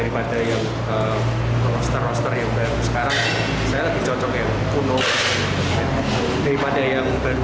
daripada yang roster roster yang baru sekarang saya lebih cocok yang kuno daripada yang baru